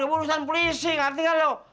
itu urusan polisi ngerti gak lu